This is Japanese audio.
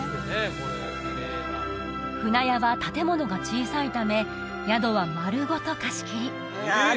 舟屋は建物が小さいため宿は丸ごと貸し切りあ